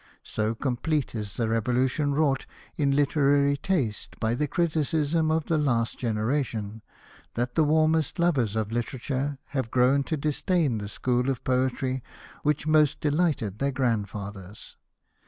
So complete is the revolution wrought in literary taste by the criticism of the last generation, that the warmest lovers of literature have grown to disdain the school of poetry which most delighted their grandfathers.